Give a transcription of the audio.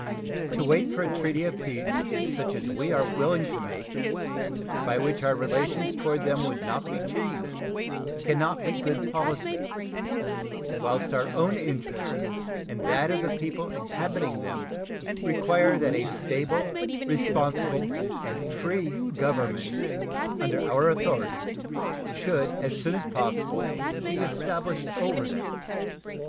To wait for a treaty of peace such as we are willing to make, by which our relations toward them would not be changed, can not be good policy; whilst our own interest and that of the people inhabiting them require that a stable, responsible, and free government under our authority should as soon as possible be established over them.